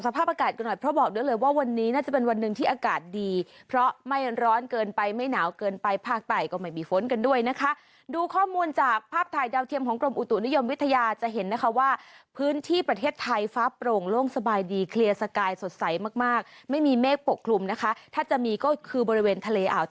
สภาพอากาศกันหน่อยเพราะบอกได้เลยว่าวันนี้น่าจะเป็นวันหนึ่งที่อากาศดีเพราะไม่ร้อนเกินไปไม่หนาวเกินไปภาคใต้ก็ไม่มีฝนกันด้วยนะคะดูข้อมูลจากภาพถ่ายดาวเทียมของกรมอุตุนิยมวิทยาจะเห็นนะคะว่าพื้นที่ประเทศไทยฟ้าโปร่งโล่งสบายดีเคลียร์สกายสดใสมากมากไม่มีเมฆปกคลุมนะคะถ้าจะมีก็คือบริเวณทะเลอ่าว